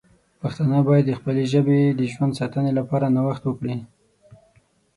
پښتانه باید د خپلې ژبې د ژوند ساتنې لپاره نوښت وکړي.